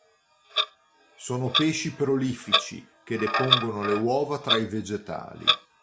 Sono pesci prolifici, che depongono le uova tra i vegetali.